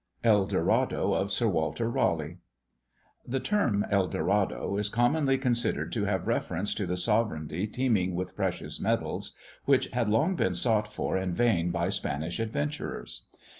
EL DORADO OF SIR WALTER RALEIGH. The term El Dorado is commonly considered to have reference to the sovereignty teeming with precious metals, which had long been sought for in vain by Spanish adventurers.